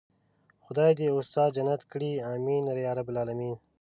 خدای دې استاد جنت کړي آمين يارب العالمين.